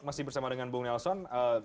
masih bersama dengan bung nelson